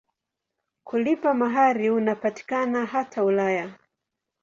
Kulipa mahari unapatikana hata Ulaya.